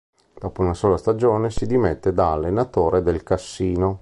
Dopo una sola stagione si dimette da allenatore del Cassino.